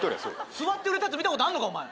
座って売れたやつ見た事あんのかお前。